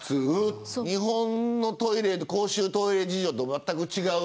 日本の公衆トイレ事情とまったく違う。